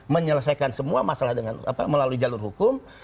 menyelesaikan semua masalah melalui jalur hukum